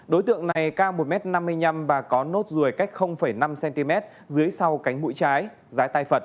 đối tượng này cao một m năm mươi năm tỉnh sóc trăng